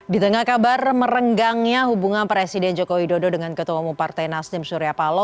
di tengah kabar merenggangnya hubungan presiden joko widodo dengan ketua umum partai nasdem surya palo